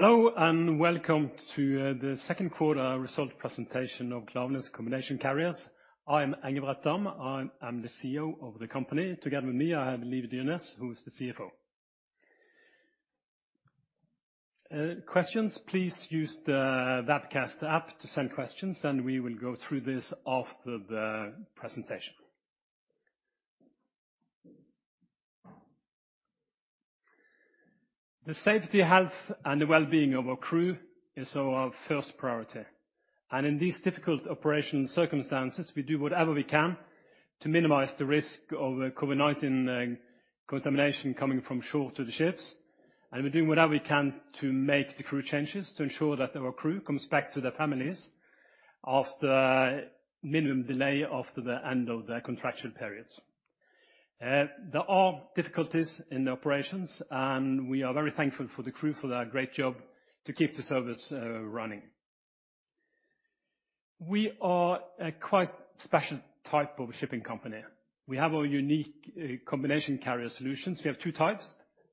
Hello, and welcome to the second quarter result presentation of Klaveness Combination Carriers. I am Engebret Dahm. I am the CEO of the company. Together with me, I have Liv Dyrnes, who is the CFO. Questions, please use the Webcast app to send questions, and we will go through this after the presentation. The safety, health, and the wellbeing of our crew is our first priority. In these difficult operation circumstances, we do whatever we can to minimize the risk of a COVID-19 contamination coming from shore to the ships. We're doing whatever we can to make the crew changes to ensure that our crew comes back to their families after minimum delay, after the end of their contractual periods. There are difficulties in the operations, and we are very thankful for the crew for their great job to keep the service running. We are a quite special type of shipping company. We have our unique combination carrier solutions. We have two types: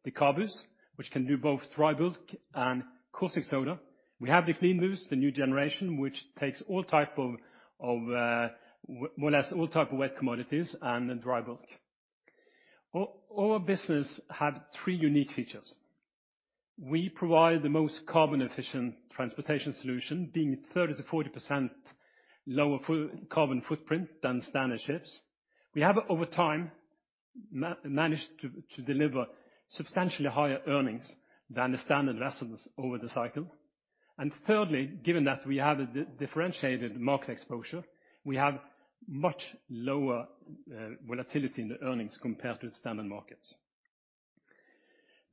the CABUs, which can do both dry bulk and caustic soda. We have the CLEANBUs, the new generation, which takes more or less all type of wet commodities and dry bulk. Our business have three unique features. We provide the most carbon efficient transportation solution, being 30%-40% lower carbon footprint than standard ships. We have, over time, managed to deliver substantially higher earnings than the standard vessels over the cycle. Thirdly, given that we have a differentiated market exposure, we have much lower volatility in the earnings compared to the standard markets.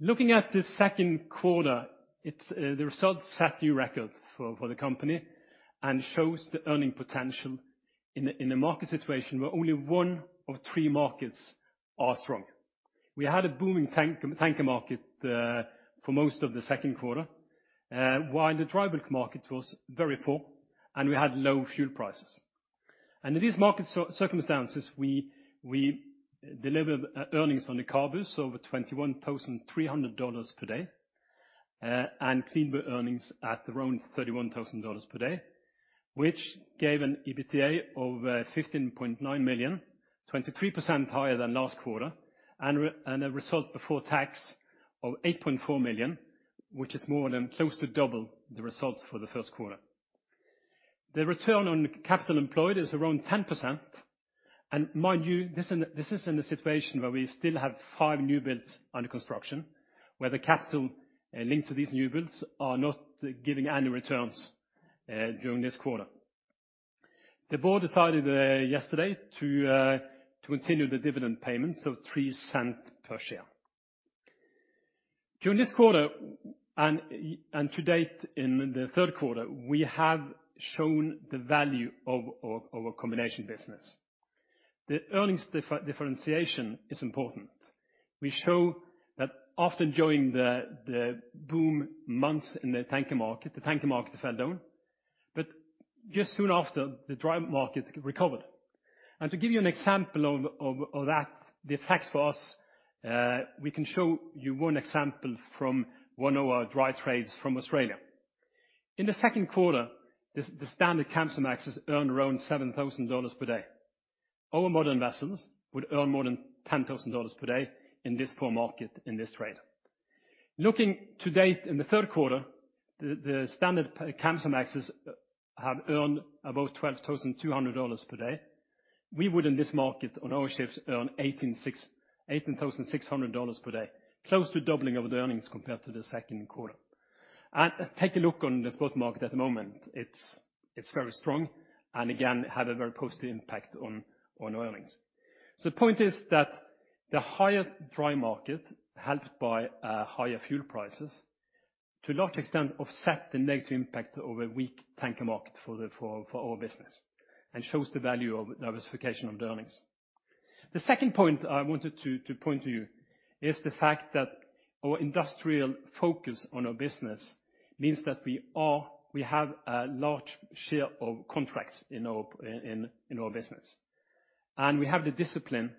Looking at the second quarter, the results set new records for the company and shows the earning potential in a market situation where only one of three markets are strong. We had a booming tanker market for most of the second quarter, while the dry bulk market was very poor and we had low fuel prices. In these market circumstances, we delivered earnings on the CABUs over $21,300 per day, and CLEANBU earnings at around $31,000 per day, which gave an EBITDA of $15.9 million, 23% higher than last quarter, and a result before tax of $8.4 million, which is more than close to double the results for the first quarter. The return on capital employed is around 10%. Mind you, this is in a situation where we still have five new builds under construction, where the capital linked to these new builds are not giving annual returns during this quarter. The board decided yesterday to continue the dividend payments of $0.03 per share. During this quarter and to date in the third quarter, we have shown the value of our combination business. The earnings differentiation is important. We show that after enjoying the boom months in the tanker market, the tanker market fell down. Just soon after, the dry market recovered. To give you an example of that, the effects for us, we can show you one example from one of our dry trades from Australia. In the second quarter, the standard Kamsarmax has earned around $7,000 per day. Our modern vessels would earn more than $10,000 per day in this core market, in this trade. Looking to date in the third quarter, the standard Kamsarmaxes have earned about $12,200 per day. We would, in this market, on our ships, earn $18,600 per day, close to doubling of the earnings compared to the second quarter. Take a look on the spot market at the moment. It's very strong and again, had a very positive impact on earnings. The point is that the higher dry market helped by higher fuel prices, to a large extent offset the negative impact of a weak tanker market for our business and shows the value of diversification of earnings. The second point I wanted to point to you is the fact that our industrial focus on our business means that we have a large share of contracts in our business. We have the discipline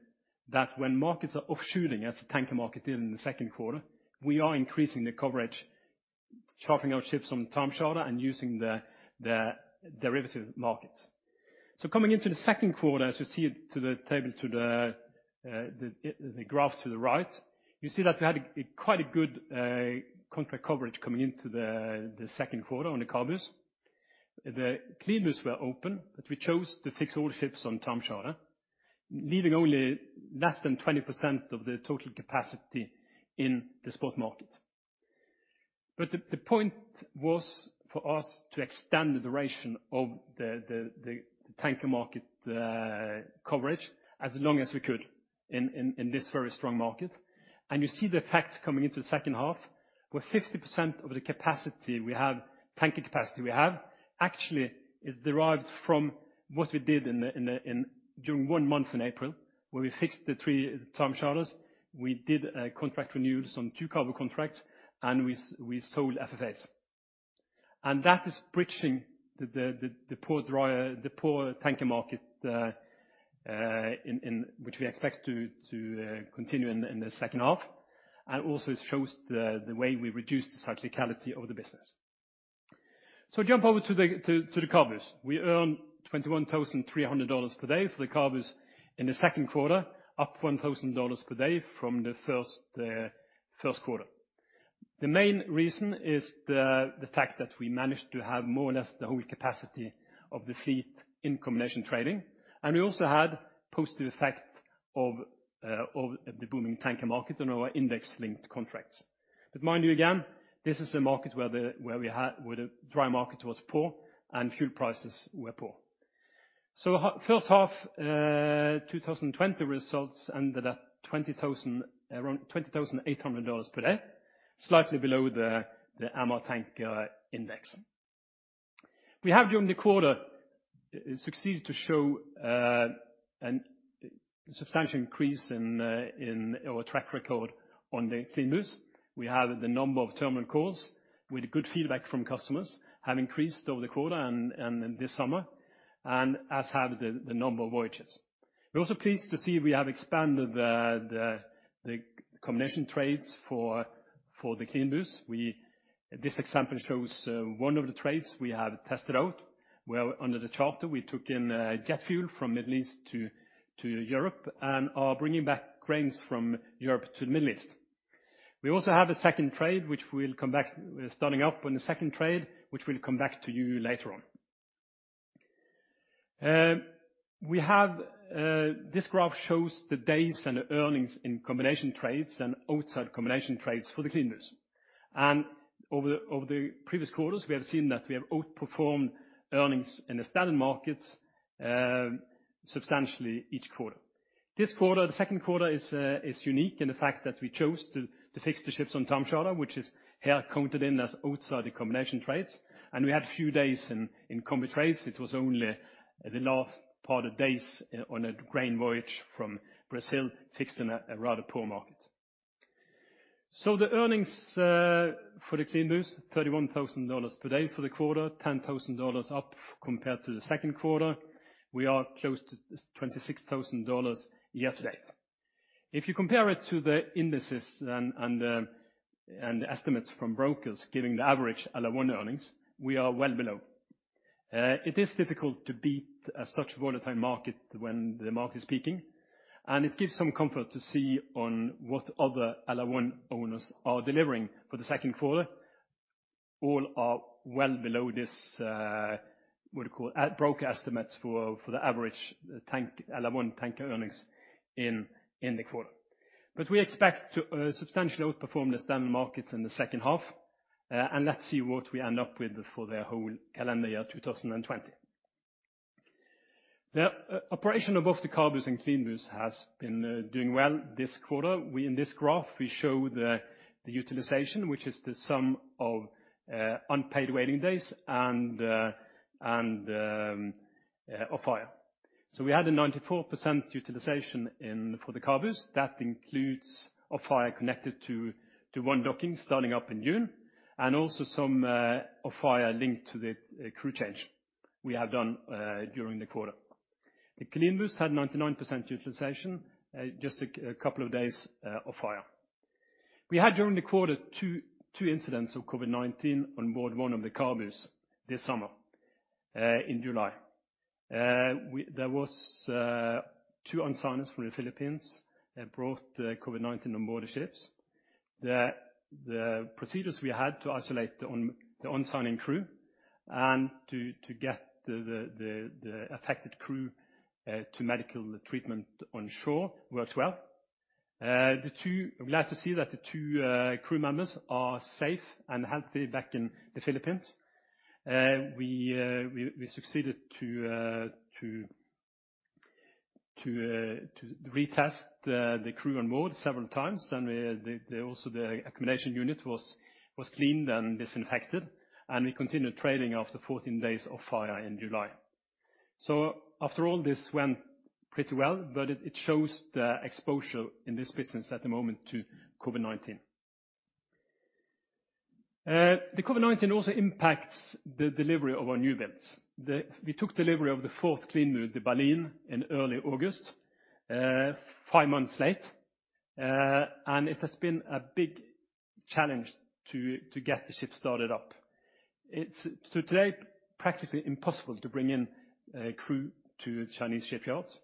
that when markets are offshooting, as the tanker market did in the second quarter, we are increasing the coverage, chopping our ships on Time Charters and using the derivative markets. Coming into the second quarter, as you see it to the graph to the right, you see that we had quite a good contract coverage coming into the second quarter on the CABUs. The CLEANBUs were open, but we chose to fix all ships on time charter, leaving only less than 20% of the total capacity in the spot market. The point was for us to extend the duration of the tanker market coverage as long as we could in this very strong market. You see the effects coming into the second half, where 50% of the tanker capacity we have actually is derived from what we did during one month in April, where we fixed the three time charters. We did a contract renewals on two cargo contracts, and we sold FFAs. That is bridging the poor tanker market which we expect to continue in the second half. Also shows the way we reduce the cyclicality of the business. Jump over to the CABUs. We earn $21,300 per day for the CABUs in the second quarter, up $1,000 per day from the first quarter. The main reason is the fact that we managed to have more or less the whole capacity of the fleet in combination trading, and we also had post the effect of the booming tanker market on our index-linked contracts. Mind you, again, this is a market where the dry market was poor and fuel prices were poor. First half 2020 results ended at around $20,800 per day, slightly below the MR Tanker index. We have, during the quarter, succeeded to show a substantial increase in our track record on the CLEANBUs. We have the number of terminal calls with good feedback from customers have increased over the quarter and this summer, and as have the number of voyages. We're also pleased to see we have expanded the combination trades for the CLEANBUs. This example shows one of the trades we have tested out, where under the charter we took in jet fuel from Middle East to Europe and are bringing back cranes from Europe to the Middle East. We also have a second trade starting up on the second trade, which we'll come back to you later on. This graph shows the days and the earnings in combination trades and outside combination trades for the CLEANBUs. Over the previous quarters, we have seen that we have outperformed earnings in the standard markets substantially each quarter. This quarter, the second quarter is unique in the fact that we chose to fix the ships on Time Charters, which is here counted in as outside the combination trades. We had a few days in combi trades. It was only the last part of days on a grain voyage from Brazil, fixed in a rather poor market. The earnings for the CLEANBUs $31,000 per day for the quarter, $10,000 up compared to the second quarter. We are close to $26,000 year to date. If you compare it to the indices and the estimates from brokers giving the average LR1 earnings, we are well below. It is difficult to beat such a volatile market when the market is peaking, and it gives some comfort to see on what other LR1 owners are delivering for the second quarter. All are well below this, what do you call it, broker estimates for the average LR1 tanker earnings in the quarter. We expect to substantially outperform the standard markets in the second half. Let's see what we end up with for the whole calendar year 2020. The operation of both the CABUs and CLEANBUs has been doing well this quarter. In this graph, we show the utilization, which is the sum of unpaid waiting days and off-hire. We had a 94% utilization for the CABUs. That includes off-hire connected to one docking starting up in June, and also some off-hire linked to the crew change we have done during the quarter. The CLEANBUs had 99% utilization, just a couple of days off-hire. We had during the quarter two incidents of COVID-19 on board one of the CABUs this summer in July. There was two on-signers from the Philippines that brought COVID-19 on board the ships. The procedures we had to isolate the on-signing crew and to get the affected crew to medical treatment on shore worked well. I'm glad to see that the two crew members are safe and healthy back in the Philippines. We succeeded to retest the crew on board several times, and also the accommodation unit was cleaned and disinfected, and we continued trading after 14 days off-hire in July. After all, this went pretty well, but it shows the exposure in this business at the moment to COVID-19. The COVID-19 also impacts the delivery of our newbuilds. We took delivery of the fourth CLEANBU, the Baleen, in early August, five months late. It has been a big challenge to get the ship started up. It's, to today, practically impossible to bring in crew to Chinese shipyards.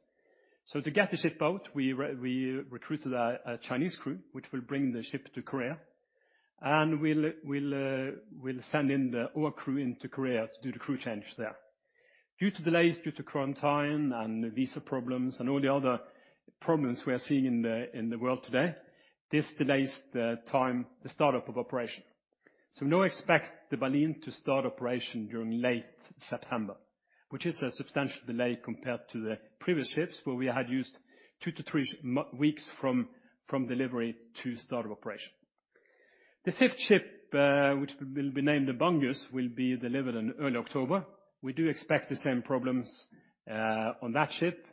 To get the ship out, we recruited a Chinese crew, which will bring the ship to Korea. We'll send our crew into Korea to do the crew change there. Due to delays due to quarantine and visa problems and all the other problems we are seeing in the world today, this delays the startup of operation. We now expect the Baleen to start operation during late September, which is a substantial delay compared to the previous ships where we had used two to three weeks from delivery to start of operation. The fifth ship, which will be named the Bangus, will be delivered in early October. We do expect the same problems on that ship.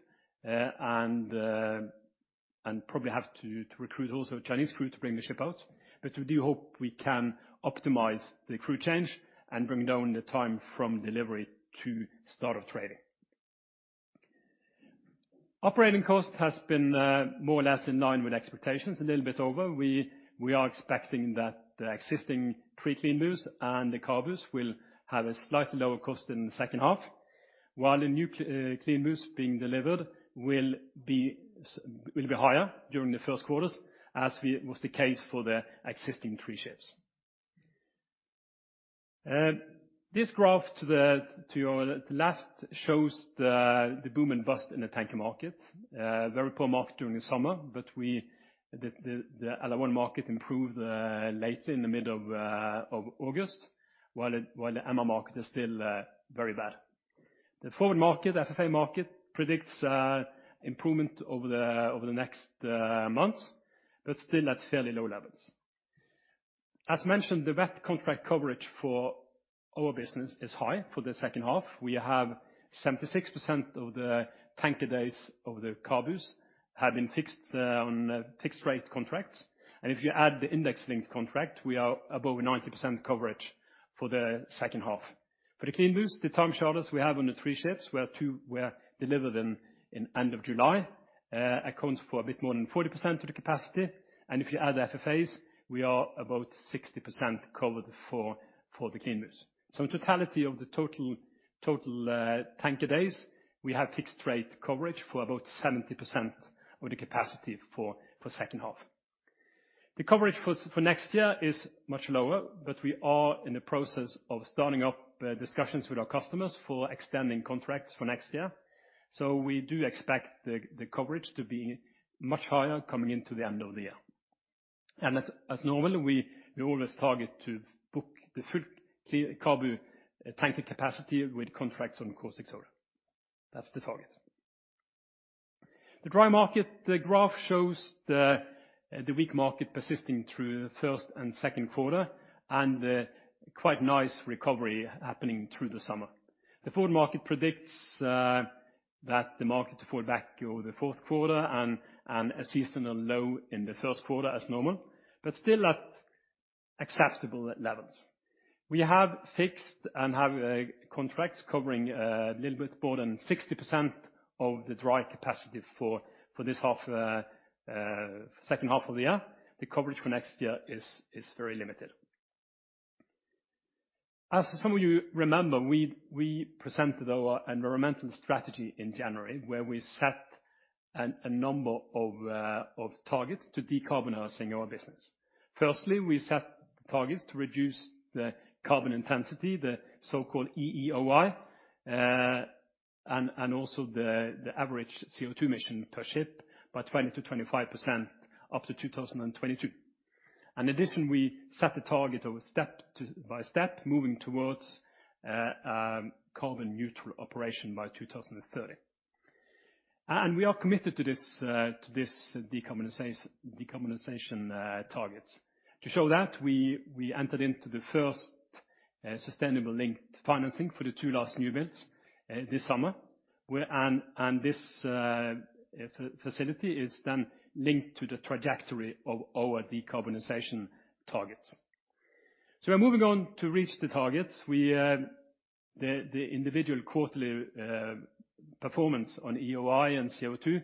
Probably have to recruit also Chinese crew to bring the ship out. We do hope we can optimize the crew change and bring down the time from delivery to start of trading. Operating cost has been more or less in line with expectations, a little bit over. We are expecting that the existing three CLEANBUs and the CABUs will have a slightly lower cost in the second half, while the new CLEANBUs being delivered will be higher during the first quarters, as was the case for the existing three ships. This graph to the left shows the boom and bust in the tanker market. Very poor market during the summer, the other one market improved later in the middle of August, while the MR market is still very bad. The forward market, FFA market, predicts improvement over the next months, still at fairly low levels. As mentioned, the wet contract coverage for our business is high for the second half. We have 76% of the tanker days of the CABUs have been fixed on fixed rate contracts. If you add the index linked contract, we are above 90% coverage for the second half. For the CLEANBUs, the Time Charters we have on the three ships, where two were delivered in end of July, accounts for a bit more than 40% of the capacity. If you add FFAs, we are about 60% covered for the CLEANBUs. Totality of the total tanker days, we have fixed rate coverage for about 70% of the capacity for second half. The coverage for next year is much lower, but we are in the process of starting up discussions with our customers for extending contracts for next year. We do expect the coverage to be much higher coming into the end of the year. As normal, we always target to book the full CABU tanker capacity with contracts on course next year. That's the target. The dry market, the graph shows the weak market persisting through the first and second quarter, and a quite nice recovery happening through the summer. The forward market predicts that the market to fall back over the fourth quarter and a seasonal low in the first quarter as normal, but still at acceptable levels. We have fixed and have contracts covering a little bit more than 60% of the dry capacity for this second half of the year. The coverage for next year is very limited. As some of you remember, we presented our environmental strategy in January, where we set a number of targets to decarbonizing our business. We set targets to reduce the carbon intensity, the so-called EEOI, and also the average CO2 emission per ship by 20%-25% up to 2022. We set the target of step by step moving towards carbon neutral operation by 2030. We are committed to this decarbonization targets. To show that, we entered into the first sustainable linked financing for the two last new builds this summer. This facility is linked to the trajectory of our decarbonization targets. We are moving on to reach the targets. The individual quarterly performance on EEOI and CO2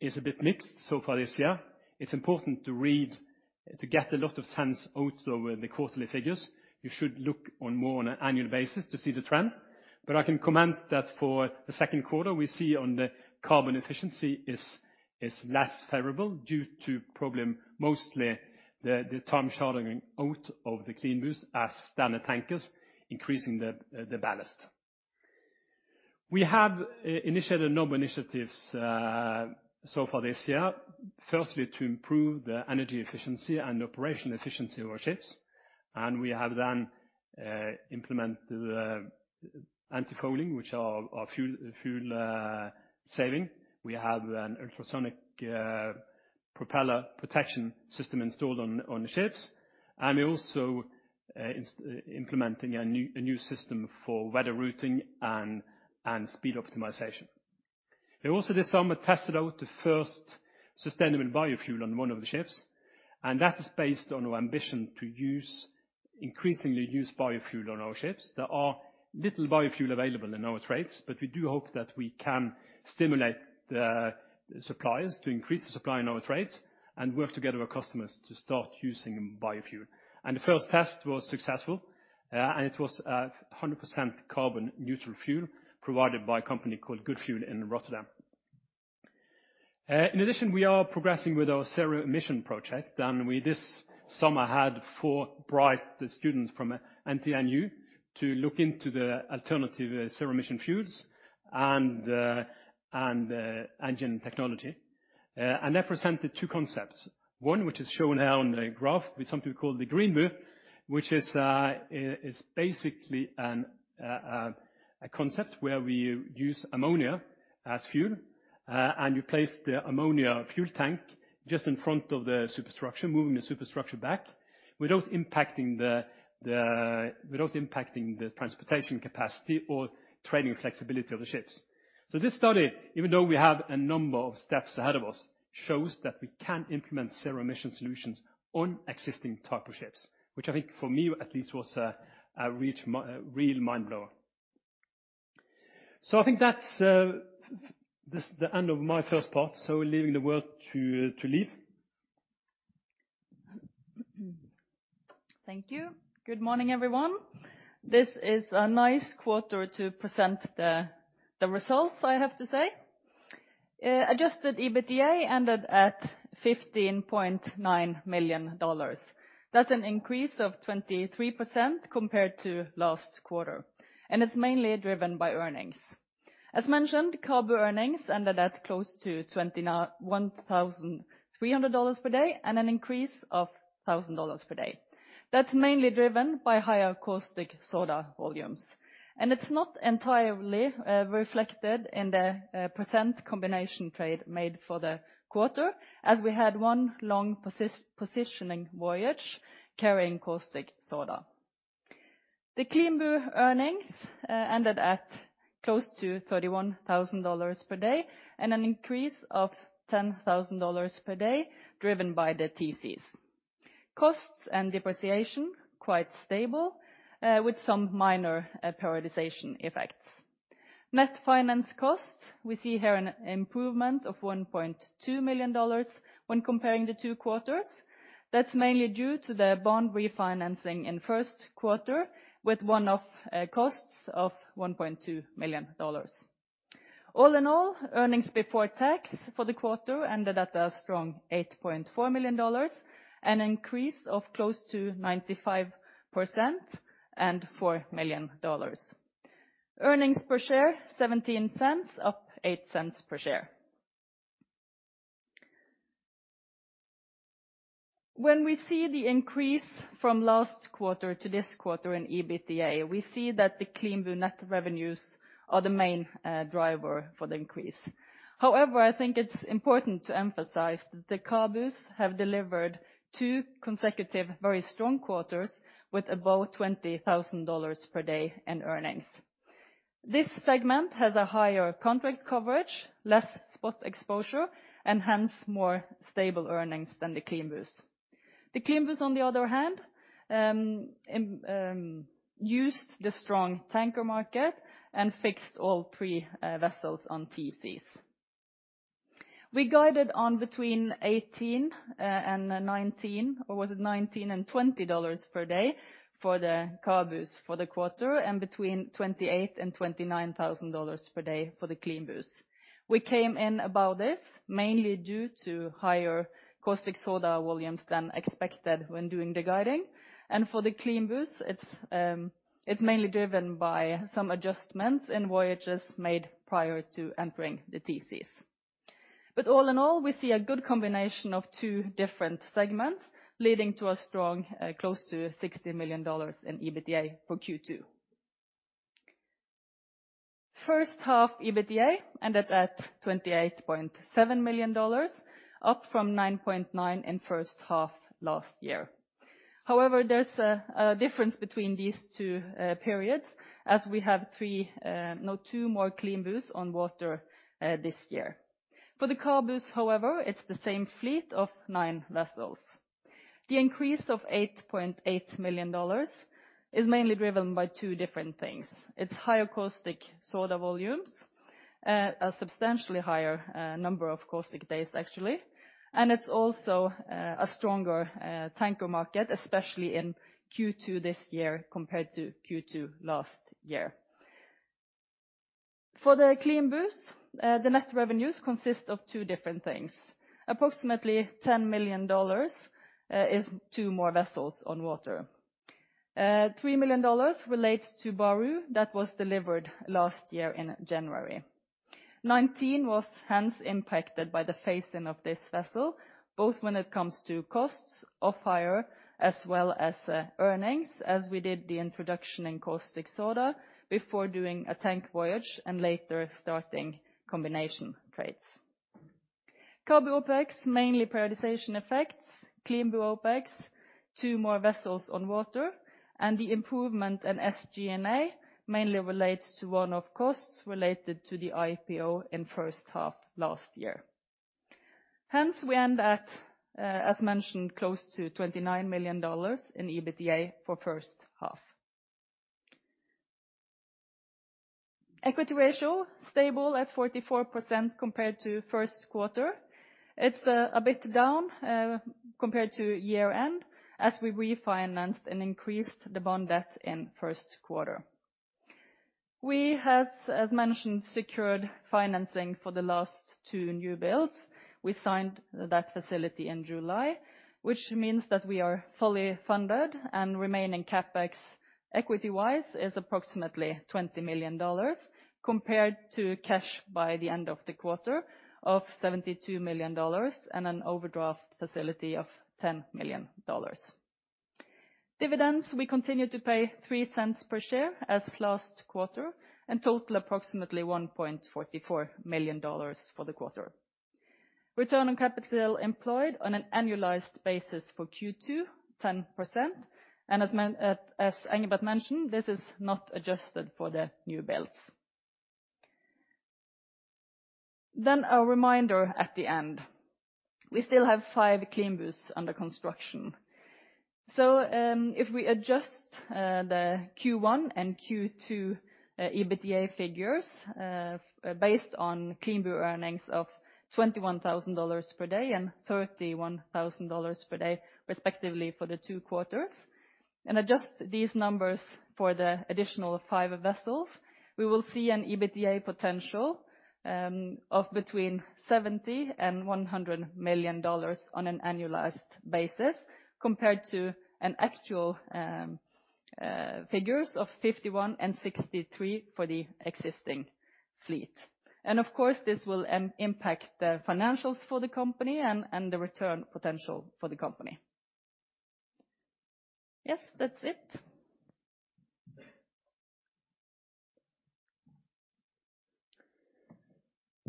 is a bit mixed so far this year. It's important to read to get a lot of sense out of the quarterly figures. You should look on more on an annual basis to see the trend. I can comment that for the second quarter, we see on the carbon efficiency is less favorable due to problem, mostly the time chartering out of the CLEANBUs as standard tankers, increasing the ballast. We have initiated a number of initiatives so far this year, firstly, to improve the energy efficiency and operation efficiency of our ships. We have then implemented the antifouling, which are fuel saving. We have an ultrasonic propeller protection system installed on the ships. We are also implementing a new system for weather routing and speed optimization. We also this summer tested out the first sustainable biofuel on one of the ships, and that is based on our ambition to increasingly use biofuel on our ships. There are little biofuel available in our trades, but we do hope that we can stimulate the suppliers to increase the supply in our trades and work together with customers to start using biofuel. The first test was successful, and it was 100% carbon neutral fuel provided by a company called GoodFuels in Rotterdam. In addition, we are progressing with our zero emission project. We this summer had four bright students from NTNU to look into the alternative zero emission fuels and engine technology. They presented two concepts. One, which is shown here on the graph, with something we call the Green Move, which is basically a concept where we use ammonia as fuel, and you place the ammonia fuel tank just in front of the superstructure, moving the superstructure back without impacting the transportation capacity or trading flexibility of the ships. This study, even though we have a number of steps ahead of us, shows that we can implement zero emission solutions on existing type of ships, which I think for me at least was a real mind-blower. I think that's the end of my first part. Leaving the word to Liv. Thank you. Good morning, everyone. This is a nice quarter to present the results, I have to say. Adjusted EBITDA ended at $15.9 million. That's an increase of 23% compared to last quarter, and it's mainly driven by earnings. As mentioned, CABU earnings ended at close to $21,300 per day and an increase of $1,000 per day. That's mainly driven by higher caustic soda volumes, and it's not entirely reflected in the percentage combination trade made for the quarter as we had one long positioning voyage carrying caustic soda. The CLEANBU earnings ended at close to $31,000 per day and an increase of $10,000 per day driven by the TCs. Costs and depreciation, quite stable, with some minor periodization effects. Net finance cost, we see here an improvement of $1.2 million when comparing the two quarters. That's mainly due to the bond refinancing in first quarter, with one-off costs of $1.2 million. All in all, earnings before tax for the quarter ended at a strong $8.4 million, an increase of close to 95% and $4 million. Earnings per share $0.17, up $0.08 per share. When we see the increase from last quarter to this quarter in EBITDA, we see that the CLEANBU net revenues are the main driver for the increase. However, I think it's important to emphasize that the CABUs have delivered two consecutive very strong quarters with above $20,000 per day in earnings. This segment has a higher contract coverage, less spot exposure, and hence more stable earnings than the CLEANBUs. The CLEANBUs, on the other hand, used the strong tanker market and fixed all three vessels on TCs. We guided on between $18,000 and $19,000, or was it $19,000 and $20,000 per day for the CABUs for the quarter and between $28,000 and $29,000 per day for the CLEANBUs. We came in above this mainly due to higher caustic soda volumes than expected when doing the guiding. For the CLEANBUs, it's mainly driven by some adjustments in voyages made prior to entering the TCs. All in all, we see a good combination of two different segments leading to a strong close to $16 million in EBITDA for Q2. First half EBITDA ended at $28.7 million, up from $9.9 in first half last year. However, there's a difference between these two periods as we have two more CLEANBUs on water this year. For the CABUs, however, it's the same fleet of nine vessels. The increase of $8.8 million is mainly driven by two different things. It's higher caustic soda volumes, a substantially higher number of caustic days actually, and it's also a stronger tanker market, especially in Q2 this year compared to Q2 last year. For the CLEANBUs, the net revenues consist of two different things. Approximately $10 million is two more vessels on water. $3 million relates to Baru that was delivered last year in January 2019 was hence impacted by the phasing of this vessel, both when it comes to costs of hire as well as earnings as we did the introduction in caustic soda before doing a tank voyage and later starting combination trades. CABU OpEx, mainly periodization effects, CLEANBU OpEx, two more vessels on water, and the improvement in SG&A mainly relates to one-off costs related to the IPO in first half last year. We end at, as mentioned, close to $29 million in EBITDA for first half. Equity ratio stable at 44% compared to first quarter. It's a bit down compared to year end as we refinanced and increased the bond debt in first quarter. We have, as mentioned, secured financing for the last two new builds. We signed that facility in July, which means that we are fully funded and remaining CapEx equity-wise is approximately $20 million compared to cash by the end of the quarter of $72 million and an overdraft facility of $10 million. Dividends, we continue to pay $0.03 per share as last quarter and total approximately $1.44 million for the quarter. Return on capital employed on an annualized basis for Q2, 10%. As Engebret mentioned, this is not adjusted for the new builds. A reminder at the end. We still have five CLEANBUs under construction. If we adjust the Q1 and Q2 EBITDA figures based on CLEANBUs earnings of $21,000 per day and $31,000 per day, respectively, for the two quarters, and adjust these numbers for the additional five vessels, we will see an EBITDA potential of between $70 and $100 million on an annualized basis, compared to an actual figures of $51 and $63 for the existing fleet. Of course, this will impact the financials for the company and the return potential for the company. Yes, that's it.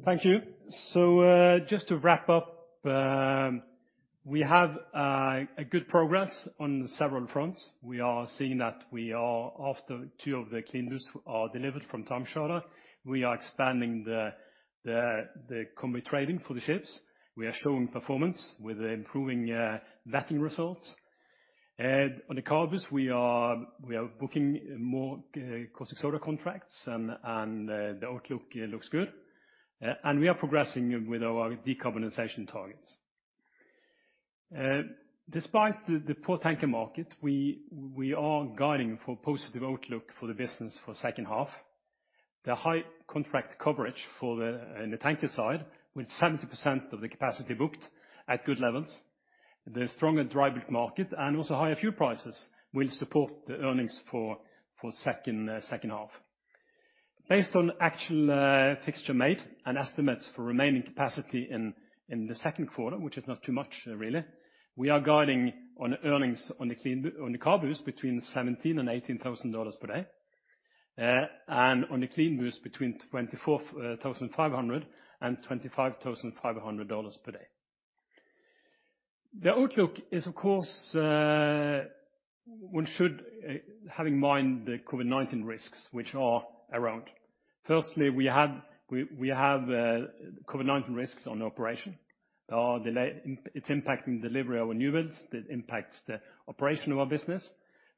Thank you. Just to wrap up, we have good progress on several fronts. We are seeing that we are after two of the CLEANBUs are delivered from time charter. We are expanding the combi trading for the ships. We are showing performance with improving vetting results. On the CABUs we are booking more caustic soda contracts and the outlook looks good. We are progressing with our decarbonization targets. Despite the poor tanker market, we are guiding for positive outlook for the business for second half. The high contract coverage in the tanker side, with 70% of the capacity booked at good levels, the stronger dry bulk market and also higher fuel prices will support the earnings for second half. Based on actual fixture made and estimates for remaining capacity in the second quarter, which is not too much really, we are guiding on earnings on the CABUs between $17,000-$18,000 per day. On the CLEANBUs between $24,500-$25,500 per day. The outlook is, of course, one should have in mind the COVID-19 risks which are around. Firstly, we have COVID-19 risks on operation. It's impacting delivery of our new builds. It impacts the operation of our business.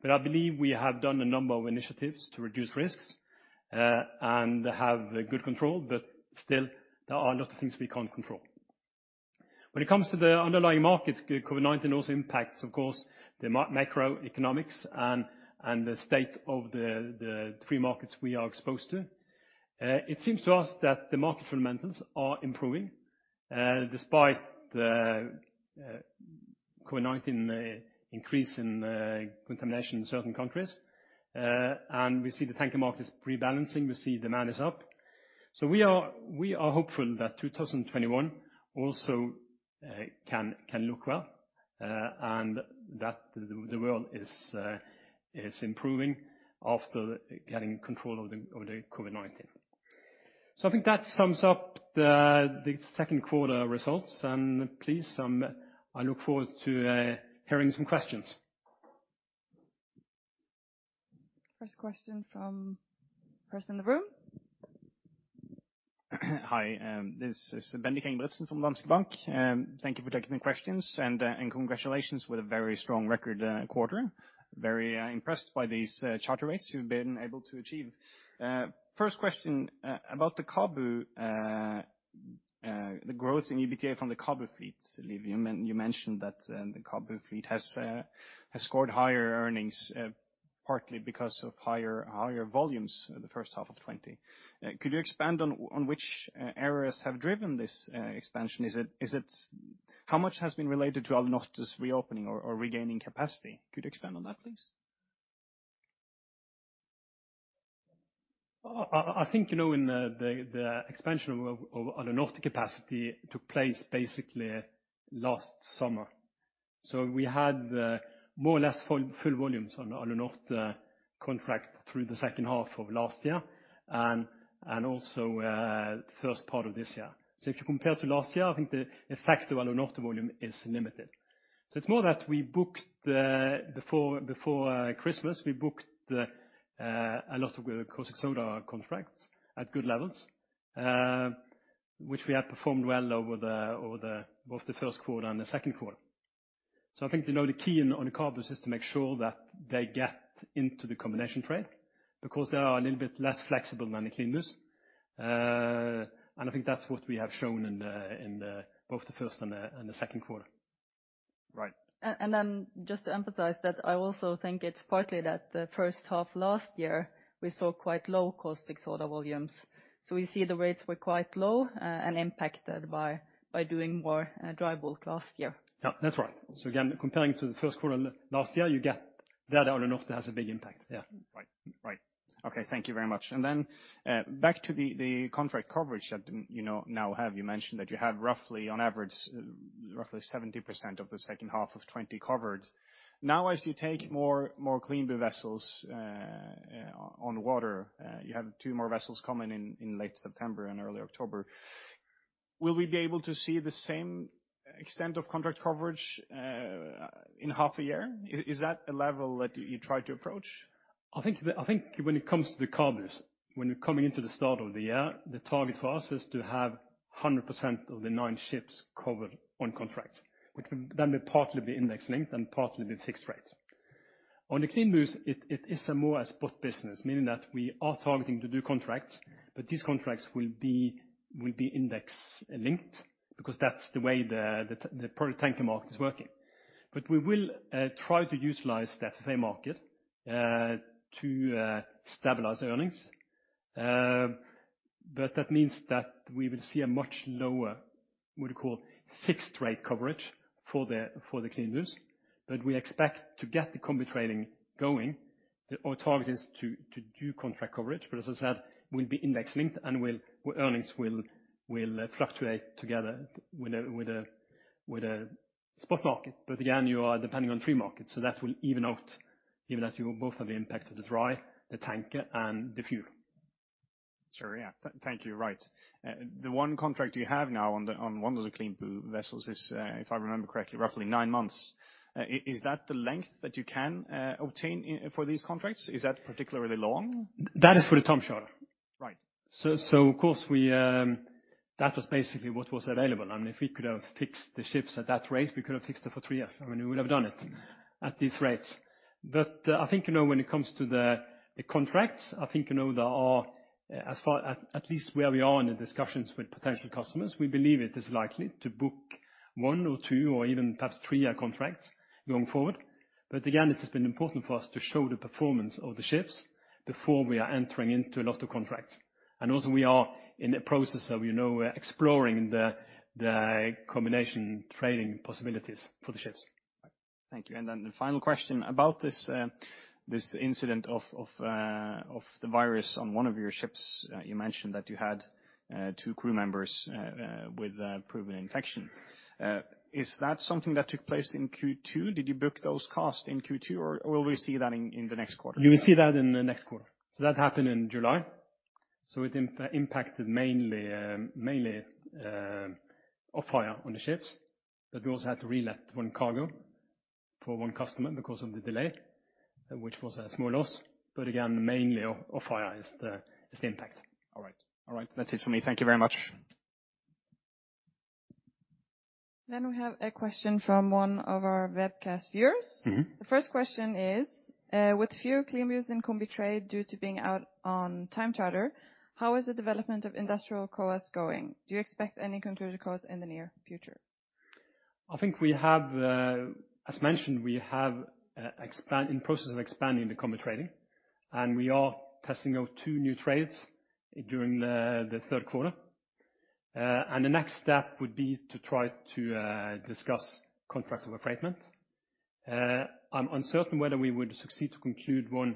I believe we have done a number of initiatives to reduce risks and have good control, but still there are a lot of things we can't control. When it comes to the underlying market, COVID-19 also impacts, of course, the macroeconomics and the state of the three markets we are exposed to. It seems to us that the market fundamentals are improving, despite the COVID-19 increase in contamination in certain countries. We see the tanker market is rebalancing. We see demand is up. We are hopeful that 2021 also can look well and that the world is improving after getting control of the COVID-19. I think that sums up the second quarter results and please, I look forward to hearing some questions. First question from person in the room. Hi, this is Bendik Larsen from Danske Bank. Thank you for taking the questions and congratulations with a very strong record quarter. Very impressed by these charter rates you've been able to achieve. First question about the CABU, the growth in EBITDA from the CABU fleet. Liv, you mentioned that the CABU fleet has scored higher earnings partly because of higher volumes in the first half of 2020. Could you expand on which areas have driven this expansion? How much has been related to Alunorte reopening or regaining capacity? Could you expand on that please? I think the expansion of Alunorte capacity took place basically last summer. We had more or less full volumes on Alunorte contract through the second half of last year and also first part of this year. If you compare to last year, I think the effect of Alunorte volume is limited. It is more that before Christmas, we booked a lot of good caustic soda contracts at good levels, which we have performed well over both the first quarter and the second quarter. I think the key on the CABUs is to make sure that they get into the combination trade because they are a little bit less flexible than the CLEANBUs. I think that is what we have shown in both the first and the second quarter. Right. Just to emphasize that I also think it's partly that the first half last year, we saw quite low caustic soda volumes. We see the rates were quite low and impacted by doing more dry bulk last year. Yeah, that's right. Again, comparing to the first quarter last year, you get that Alunorte has a big impact. Yeah. Right. Okay. Thank you very much. Then back to the contract coverage that you now have. You mentioned that you have roughly on average roughly 70% of the second half of 2020 covered. As you take more CLEANBU vessels on water, you have two more vessels coming in late September and early October. Will we be able to see the same extent of contract coverage in half a year? Is that a level that you try to approach? I think when it comes to the CABUs, when you're coming into the start of the year, the target for us is to have 100% of the nine ships covered on contracts. Which then partly be index-linked and partly be fixed rate. On the CLEANBUs, it is a more spot business, meaning that we are targeting to do contracts, but these contracts will be index-linked because that's the way the tanker market is working. We will try to utilize that same market to stabilize earnings. That means that we will see a much lower, we'd call fixed rate coverage for the CLEANBUs. We expect to get the combi trading going. Our target is to do contract coverage. As I said, will be index-linked and earnings will fluctuate together with the spot market. Again, you are depending on three markets, so that will even out, given that you will both have the impact of the dry, the tanker, and the fuel. Sure. Yeah. Thank you. Right. The one contract you have now on one of the CLEANBU vessels is, if I remember correctly, roughly nine months. Is that the length that you can obtain for these contracts? Is that particularly long? That is for the time charter. Right. Of course, that was basically what was available. If we could have fixed the ships at that rate, we could have fixed it for three years, we would have done it at these rates. I think, when it comes to the contracts, at least where we are in the discussions with potential customers, we believe it is likely to book one or two or even perhaps three-year contracts going forward. Again, it has been important for us to show the performance of the ships before we are entering into a lot of contracts. Also we are in a process of exploring the combination trading possibilities for the ships. Thank you. The final question about this incident of the virus on one of your ships. You mentioned that you had two crew members with proven infection. Is that something that took place in Q2? Did you book those costs in Q2 or will we see that in the next quarter? You will see that in the next quarter. That happened in July. It impacted mainly off-hire on the ships, but we also had to relet one cargo for one customer because of the delay, which was a small loss, but again, mainly off-hire is the impact. All right. That's it from me. Thank you very much. We have a question from one of our webcast viewers. The first question is, with few CLEANBUs in combi trade due to being out on time charter, how is the development of industrial COAs going? Do you expect any concluded COAs in the near future? As mentioned, we have in process of expanding the combi trading. We are testing out two new trades during the third quarter. The next step would be to try to discuss Contracts of Affreightment. I'm uncertain whether we would succeed to conclude one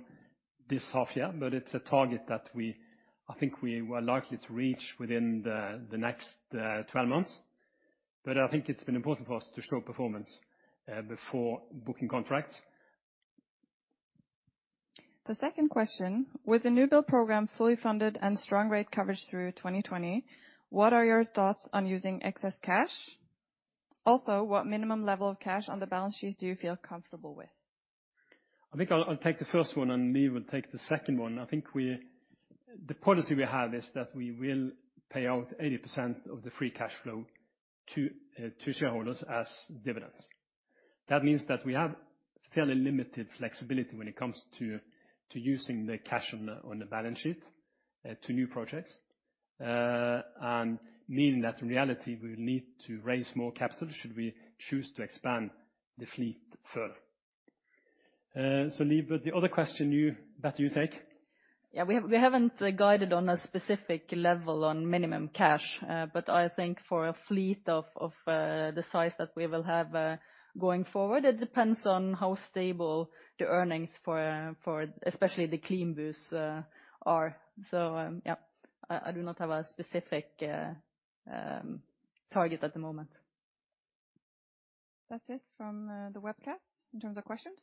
this half-year, but it's a target that I think we are likely to reach within the next 12 months. I think it's been important for us to show performance before booking contracts. The second question, with the new build program fully funded and strong rate coverage through 2020, what are your thoughts on using excess cash? Also, what minimum level of cash on the balance sheets do you feel comfortable with? I think I'll take the first one and Liv will take the second one. I think the policy we have is that we will pay out 80% of the free cash flow to shareholders as dividends. That means that we have fairly limited flexibility when it comes to using the cash on the balance sheet to new projects. Meaning that in reality, we will need to raise more capital should we choose to expand the fleet further. Liv, the other question, better you take. Yeah. We haven't guided on a specific level on minimum cash. I think for a fleet of the size that we will have going forward, it depends on how stable the earnings for especially the CLEANBUs are. Yeah, I do not have a specific target at the moment. That's it from the webcast in terms of questions.